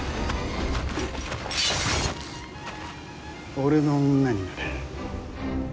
俺の女になれ。